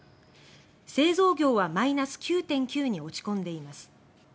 製造業はマイナス９．９に落ち込んでいます。